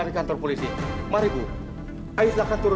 nanti kamu jatuh